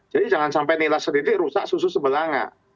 jadi jangan sampai nilai sedikit rusak susu sebelah enggak